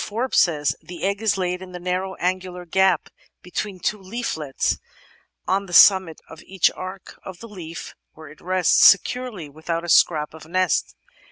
Forbes says, "The egg is laid in the narrow angular gap between two leaflets on the summit of the arch of the leaf, where it rests securely, without a scrap of nest